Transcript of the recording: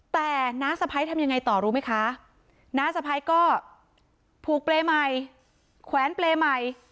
แต่น้าสะพ้ายทำยังไงต่อรู้ไหมคะน้าสะพ้ายก็ผูกเปรย์ใหม่แขวนเปรย์ใหม่